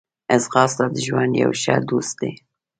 ځغاسته د ژوند یو ښه دوست دی